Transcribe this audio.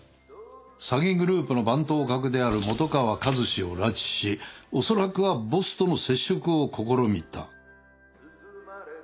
詐欺グループの番頭格である本川和志を拉致しおそらくはボスとの接触を試みた